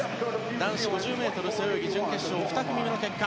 男子５０ｍ背泳ぎ準決勝２組目の結果